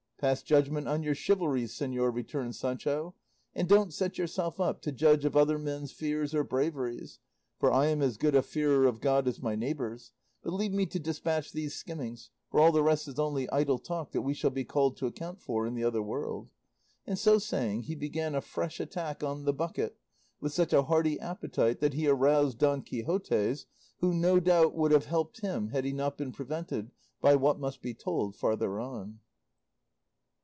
"Pass judgment on your chivalries, señor," returned Sancho, "and don't set yourself up to judge of other men's fears or braveries, for I am as good a fearer of God as my neighbours; but leave me to despatch these skimmings, for all the rest is only idle talk that we shall be called to account for in the other world;" and so saying, he began a fresh attack on the bucket, with such a hearty appetite that he aroused Don Quixote's, who no doubt would have helped him had he not been prevented by what must be told farther on.